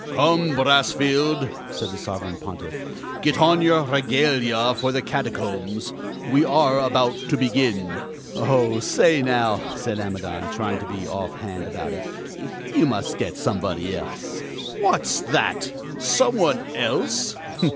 "Come, Brassfield," said the Sovereign Pontiff, "get on your regalia for the Catacombs. We are about to begin." "Oh, say, now!" said Amidon, trying to be off hand about it, "you must get somebody else." "What's that! Some one else?